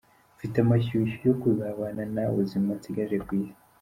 Mfite amashyushyu yo kuzabana nawe ubuzima nsigaje ku Isi.